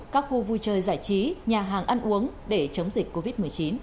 các khu vui chơi giải trí nhà hàng ăn uống để chống dịch covid một mươi chín